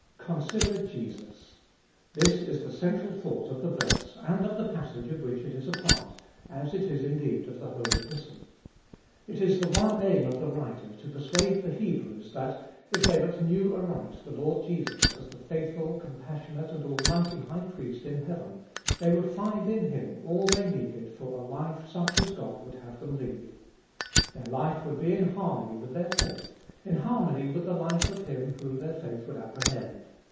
Consider Jesus ! This is the central thought of the verse, and of the passage of which it is a part, as it is indeed of the whole Epistle. It is the one aim of the writer to persuade the Hebrews that, if they but knew aright the Lord Jesus as the faithful, compassionate, and almighty High Priest in heaven, they would find in Him all they needed for a life such as God would have them lead. Their life would be in harmony with their faith, in harmony with the life of Him whom their faith would apprehend.